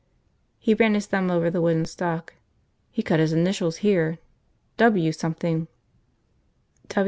He ran his thumb over the wooden stock. "He cut his initials here. W something."